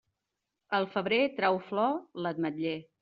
El febrer trau flor l'ametller.